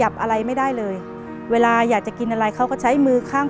รายการต่อไปนี้เป็นรายการทั่วไปสามารถรับชมได้ทุกวัย